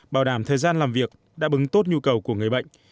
bảo đảm thời gian làm việc đã bứng tốt nhu cầu của người bệnh